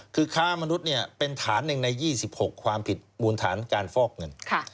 คือค้ามนุษย์เป็นฐานหนึ่งใน๒๖ความผิดมูลฐานการฟอกเงิน